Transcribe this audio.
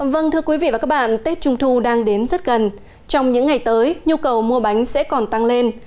vâng thưa quý vị và các bạn tết trung thu đang đến rất gần trong những ngày tới nhu cầu mua bánh sẽ còn tăng lên